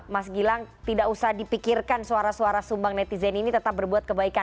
mas gilang tidak usah dipikirkan suara suara sumbang netizen ini tetap berbuat kebaikan